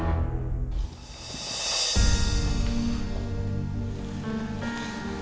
tapi di waktu ibu camino dari ilang